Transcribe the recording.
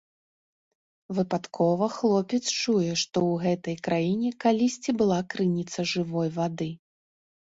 Выпадкова хлопец чуе, што ў гэтай краіне калісьці была крыніца жывой вады.